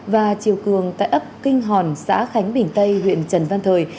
và chiều cường tại ấp kinh hòn xã khánh bình tây huyện trần văn thời